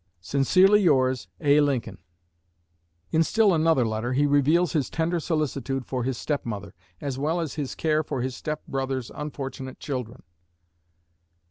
Sincerely yours, A. LINCOLN. In still another letter he reveals his tender solicitude for his step mother, as well as his care for his step brother's unfortunate children.